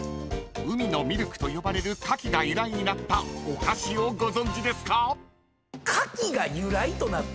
［海のミルクと呼ばれるカキが由来になったお菓子をご存じですか？］